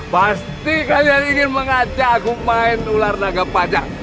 pasti kalian ingin mengajakku main ular naga pajak